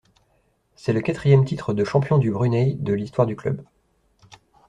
C'est le quatrième titre de champion du Brunei de l'histoire du club.